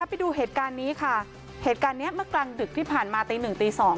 ไปดูเหตุการณ์นี้ค่ะเหตุการณ์เนี้ยเมื่อกลางดึกที่ผ่านมาตีหนึ่งตีสอง